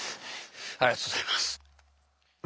ありがとうございます。